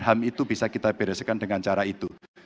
ham itu bisa kita bereskan dengan cara itu